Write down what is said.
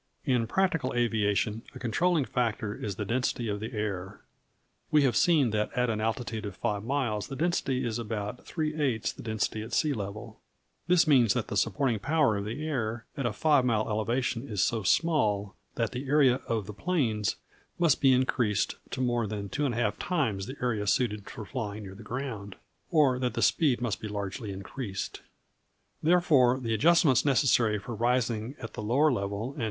In practical aviation, a controlling factor is the density of the air. We have seen that at an altitude of five miles the density is about three eighths the density at sea level. This means that the supporting power of the air at a five mile elevation is so small that the area of the planes must be increased to more than 2½ times the area suited to flying near the ground, or that the speed must be largely increased.